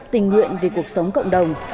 tình nguyện về cuộc sống cộng đồng